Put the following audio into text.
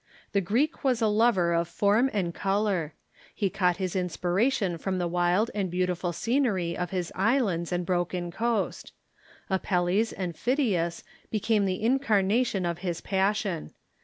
The Greek was a lover of form and color. lie caught his inspiration from the wild and beautiful scenery of his islands and broken coast. Apelles and Phidias became the incarnation of his passion.